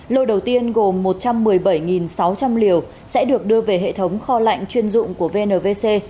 lô đầu tiên gồm một trăm một mươi bảy sáu trăm linh liều sẽ được đưa về hệ thống kho lạnh chuyên dụng của vnvc